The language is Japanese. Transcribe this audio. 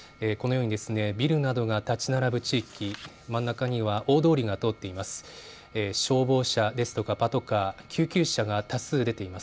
このようにビルなどが、建ち並ぶ地域、真ん中には大通りが通っています。